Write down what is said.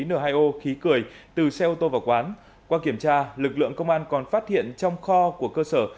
no hai o khí cười từ xe ô tô vào quán qua kiểm tra lực lượng công an còn phát hiện trong kho của cơ sở